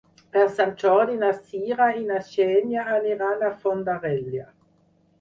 Per Sant Jordi na Sira i na Xènia aniran a Fondarella.